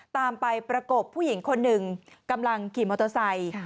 ตามไปประกบผู้หญิงคนหนึ่งกำลังขี่มอเตอร์ไซค์